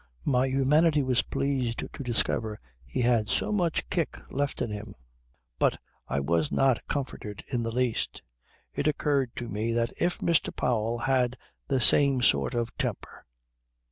My humanity was pleased to discover he had so much kick left in him, but I was not comforted in the least. It occurred to me that if Mr. Powell had the same sort of temper